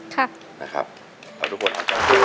ครับนะครับเราทุกคนขอบคุณครับ